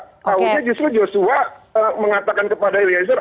taunya justru yosua mengatakan kepada eliezer